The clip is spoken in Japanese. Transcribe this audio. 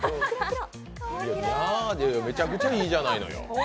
めちゃくちゃいいじゃないのよ。